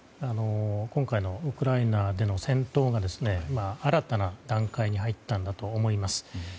今回のウクライナでの戦闘が新たな段階に入ったんだと思います。